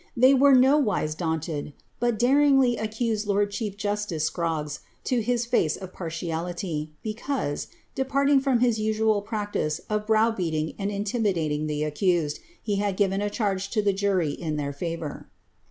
They were nowise daunted, but daringly accused lord chief justice Scroggs t«) his face of pirlialiiy, because, departing from his usual practice of browbeating and iiiiimidating the accused, he had given t charge to the jury in thrir favour.